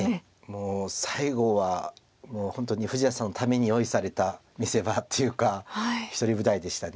もう最後はもう本当に富士田さんのために用意された見せ場っていうか一人舞台でした。